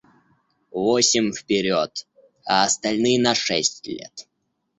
Восемь вперед, а остальные на шесть лет.